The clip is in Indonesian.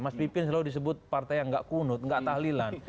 mas pipin selalu disebut partai yang gak kunut nggak tahlilan